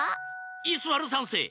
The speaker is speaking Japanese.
イスワル３せい！